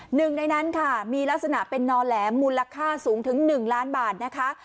หนึ่งในนั้นค่ะมีลักษณะเป็นนอแหลมมูลค่าสูงถึง๑ล้านบาทนะคะ